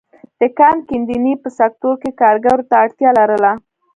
د کان کیندنې په سکتور کې کارګرو ته اړتیا لرله.